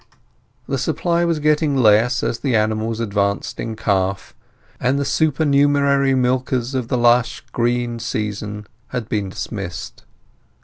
The supply was getting less as the animals advanced in calf, and the supernumerary milkers of the lush green season had been dismissed.